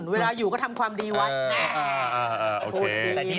เวลาอยู่ก็ทำความดีวัดนะ